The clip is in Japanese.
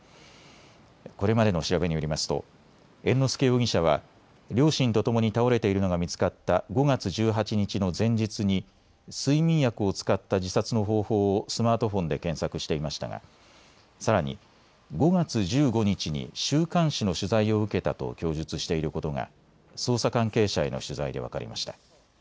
これまでの調べによりますと猿之助容疑者は両親とともに倒れているのが見つかった５月１８日の前日に睡眠薬を使った自殺の方法をスマートフォンで検索していましたがさらに５月１５日に週刊誌の取材を受けたと供述していることが捜査関係者への取材で分かりました。